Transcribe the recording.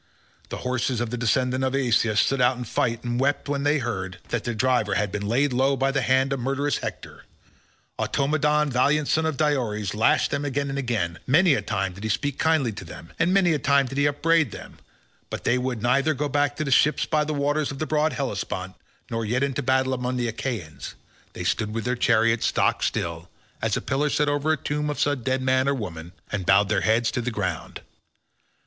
The horses of the descendant of Aeacus stood out of the fight and wept when they heard that their driver had been laid low by the hand of murderous Hector. Automedon, valiant son of Diores, lashed them again and again; many a time did he speak kindly to them, and many a time did he upbraid them, but they would neither go back to the ships by the waters of the broad Hellespont, nor yet into battle among the Achaeans; they stood with their chariot stock still, as a pillar set over the tomb of some dead man or woman, and bowed their heads to the ground.